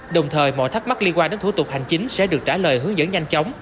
đồng thời mọi thắc mắc liên quan đến thủ tục hành chính sẽ được trả lời hướng dẫn nhanh chóng